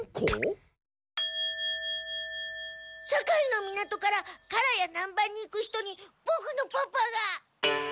堺の港から唐や南蛮に行く人にボクのパパが。